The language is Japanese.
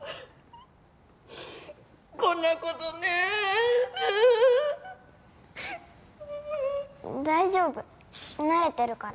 こんなことねえ大丈夫慣れてるから